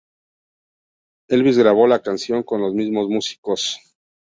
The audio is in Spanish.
Elvis grabó el canción con los mismos músicos.